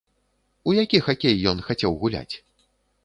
У які хакей ён хацеў гуляць?